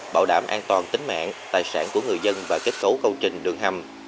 bảo đảm an toàn tính mạng tài sản của người dân và kết cấu công trình đường hầm